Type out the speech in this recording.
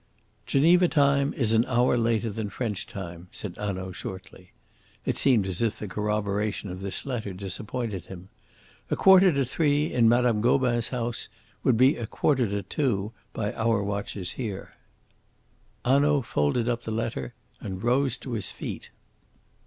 "Geneva time is an hour later than French time," said Hanaud shortly. It seemed as if the corroboration of this letter disappointed him. "A quarter to three in Mme. Gobin's house would be a quarter to two by our watches here." Hanaud folded up the letter, and rose to his feet.